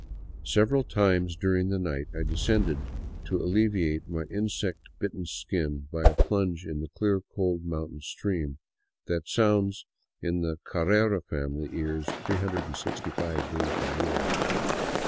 Several times during the night I descended to alleviate my insect bitten skin by a plunge in the clear, cold mountain stream that sounds in the Carrera family ears 365 days a year.